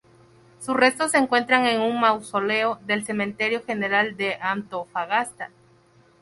Sus restos se encuentran en un mausoleo del Cementerio General de Antofagasta.